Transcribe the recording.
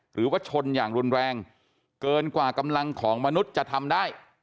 หรือว่าชนอย่างรุนแรงเกินกว่ากำลังของมนุษย์จะทำได้